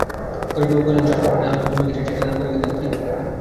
পরেশবাবু কহিলেন, চশমাটা নেই, আলোও কমে গেছে–চিঠিখানা পড়ে দেখো দেখি।